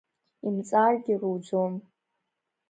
Имҵааргьы руӡом.